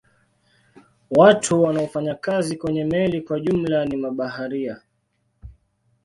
Watu wanaofanya kazi kwenye meli kwa jumla ni mabaharia.